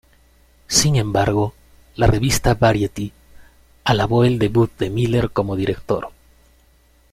Sin embargo, la revista "Variety" alabó el debut de Miller como director.